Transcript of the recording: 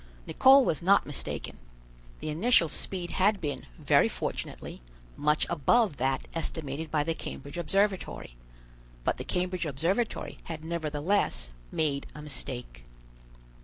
Nicholl was not mistaken. The initial speed had been, very fortunately, much above that estimated by the Cambridge Observatory; but the Cambridge Observatory had nevertheless made a mistake.